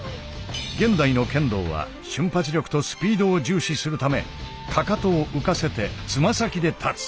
現代の剣道は瞬発力とスピードを重視するためかかとを浮かせてつま先で立つ。